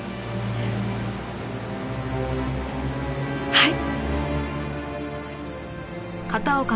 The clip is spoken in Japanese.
はい。